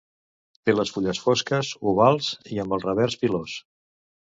Té les fulles fosques, ovals i amb el revers pilós.